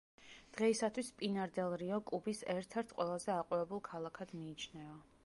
დღეისათვის პინარ-დელ-რიო კუბის ერთ-ერთ ყველაზე აყვავებულ ქალაქად მიიჩნევა.